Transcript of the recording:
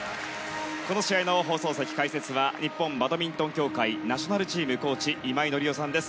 この試合の放送席解説は日本バドミントン協会ナショナルチームコーチ今井紀夫さんです。